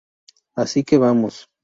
Así que vamos.